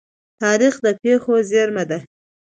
تاریخ د پېښو زيرمه ده.